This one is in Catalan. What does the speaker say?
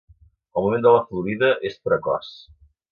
El moment de la florida és precoç.